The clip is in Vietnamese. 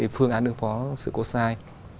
phương án ứng phó sự cố sai